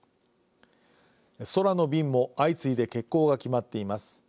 空の便も相次いで欠航が決まっています。